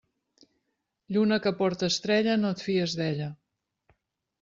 Lluna que porte estrella, no et fies d'ella.